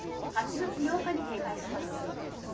８月８日に閉会します」。